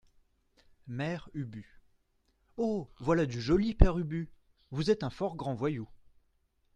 Mère Ubu Oh ! voilà du joli, Père Ubu, vous estes un fort grand voyou.